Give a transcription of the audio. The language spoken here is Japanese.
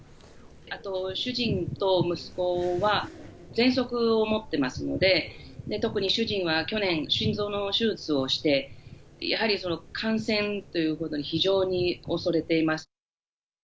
あと、主人と息子は、ぜんそくを持ってますので、特に主人は去年、心臓の手術をして、やはり感染ということに非常に恐れています。